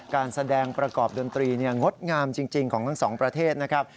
การแสดงประกอบดนตรีงดงามจริงของทั้งสองประเทศนะครับ